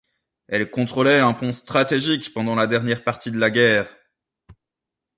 Elle contrôlait un pont stratégique pendant la dernière partie de la guerre.